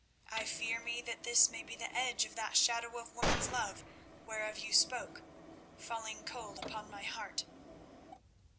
I fear me that this may be the edge of that shadow of woman's love whereof you spoke, falling cold upon my heart."